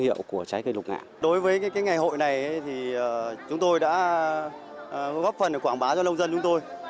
đối với ngày hội này chúng tôi đã góp phần để quảng bá cho nông dân chúng tôi